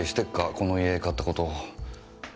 この家買った事。